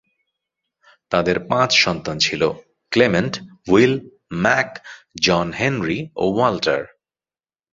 তাদের পাঁচ সন্তান ছিল: Clement, Will, Mac, John Henry ও ওয়াল্টার।